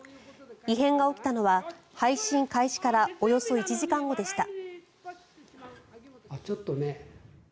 異変が起きたのは、配信開始からおよそ１時間後でした。